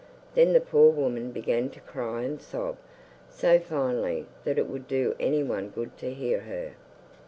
Then the poor woman began to cry and sob so finely that it would do anyone good to hear her.